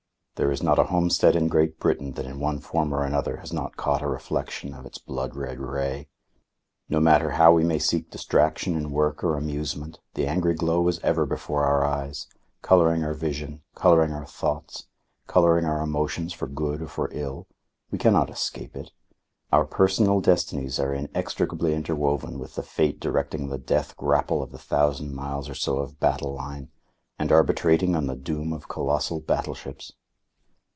There is not a homestead in Great Britain that in one form or another has not caught a reflection of its blood red ray. No matter how we may seek distraction in work or amusement, the angry glow is ever before our eyes, colouring our vision, colouring our thoughts, colouring our emotions for good or for ill. We cannot escape it. Our personal destinies are inextricably interwoven with the fate directing the death grapple of the thousand miles or so of battle line, and arbitrating on the doom of colossal battleships.